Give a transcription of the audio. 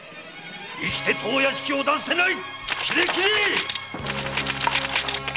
生きて当屋敷を出すでない！